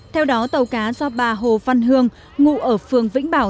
theo đó tàu cá do bà hồ văn hương ngụ ở phường vĩnh bảo